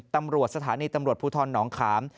ตำรวจสถานีตำรวจภูทรหนองขาม